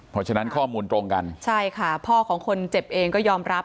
เพราะฉะนั้นข้อมูลตรงกันใช่ค่ะพ่อของคนเจ็บเองก็ยอมรับ